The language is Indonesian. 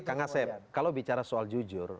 kak ngasep kalau bicara soal jujur